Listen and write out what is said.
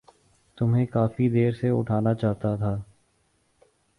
تمہیں کافی دیر سے اٹھانا چاہتا تھا۔